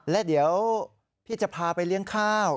และเดี๋ยวพี่จะพาไปเลี้ยงข้าว